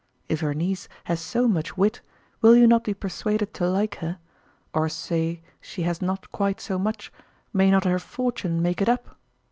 If her niece has so much wit, will you not be persuaded to like her; or say she has not quite so much, may not her fortune make it up?